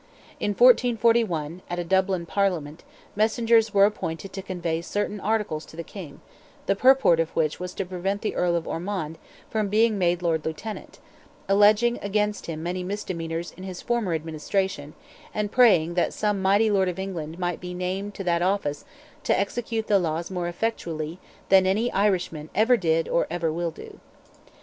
In 1441, at a Dublin Parliament, messengers were appointed to convey certain articles to the King, the purport of which was to prevent the Earl of Ormond from being made Lord Lieutenant, alleging against him many misdemeanours in his former administration, and praying that some "mighty lord of England" might be named to that office to execute the laws more effectually "than any Irishman ever did or ever will do."